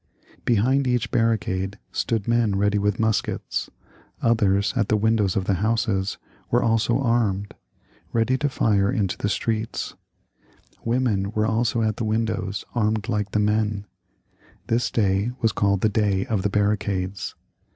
Behiud each barricade stood XXXIX.] HENRY II L * 293 men ready with muskets, others at the windows of the houses were also armed, ready to fire into the streets. Women were also at the windows armed like the men. This day was called the Day of the Barricades.